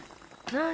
何？